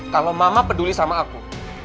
kalau mama peduli sama aku